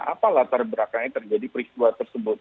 apalah terberakannya terjadi peristiwa tersebut